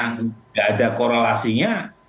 tidak ada korelasinya